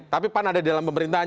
tapi pan ada di dalam pemerintahan